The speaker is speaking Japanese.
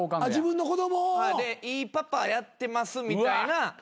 自分の子供を？でいいパパやってますみたいな。